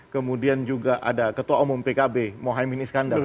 kemudian juga ada ketua umum pkb mohaimin iskandar